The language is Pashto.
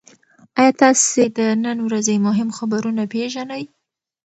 ایا تاسي د نن ورځې مهم خبرونه پېژنئ؟